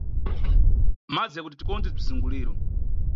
Madzi ya kuti tikonkhobze bzizunguliro.